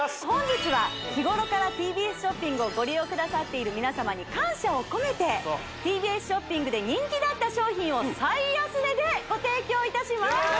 本日は日頃からＴＢＳショッピングをご利用くださっているみなさまに感謝を込めてＴＢＳショッピングで人気だった商品を最安値でご提供いたします！